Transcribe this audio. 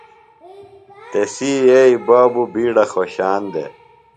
تسی یئیے بابوۡ بِیڈہ خوۡشان دےۡ۔